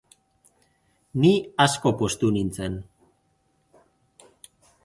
Ni asko poztu nintzen.